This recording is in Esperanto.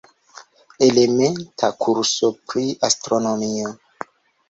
Elementa kurso pri astronomio.